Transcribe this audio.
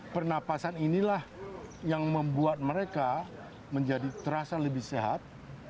pernapasan inilah yang membuat mereka menjadi terasa lebih sehat